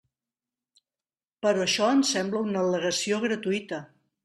Però això ens sembla una al·legació gratuïta.